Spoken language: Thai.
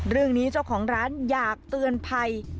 เรื่องนี้เจ้าของร้านอยากเตือนภัย